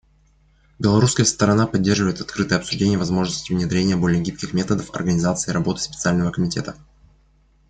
Белорусская сторона поддерживает открытое обсуждение возможности внедрения более гибких методов организации работы Специального комитета.